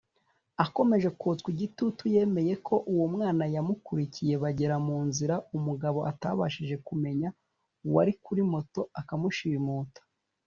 Akomeje kotswa igitutu yemeye ko uwo mwana yamukurikiye bagera mu nziza umugabo atabashije kumenya wari kuri moto akamushimuta